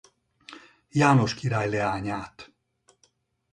János király leányát.